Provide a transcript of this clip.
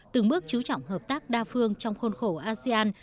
từng bước chú trọng hợp tác đa phương trong khuôn khổ asean